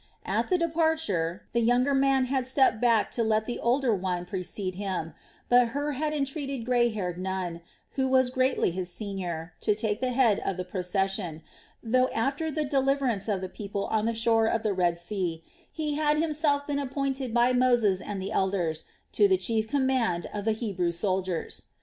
At the departure, the younger man had stepped back to let the older one precede him; but Hur had entreated grey haired Nun, who was greatly his senior, to take the head of the procession, though after the deliverance of the people on the shore of the Red Sea he had himself been appointed by Moses and the elders to the chief command of the Hebrew soldiers.